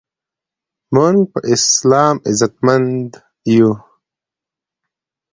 مونږ په اسلام عزتمند یو